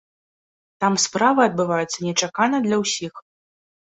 Там справы адбываюцца нечакана для ўсіх.